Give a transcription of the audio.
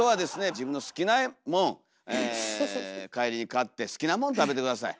自分の好きなもん帰りに買って好きなもん食べて下さい。